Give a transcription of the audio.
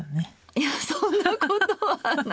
いやそんなことはない！